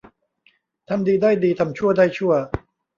ทำดีได้ดีทำชั่วได้ชั่ว